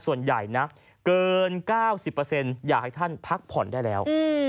ส่วนใหญ่นะเกิน๙๐อยากให้ท่านพักผ่อนได้แล้ว